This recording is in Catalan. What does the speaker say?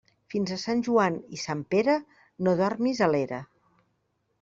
Fins a Sant Joan i Sant Pere, no dormes a l'era.